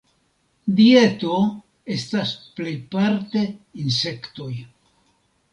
Dieto estas plejparte insektoj.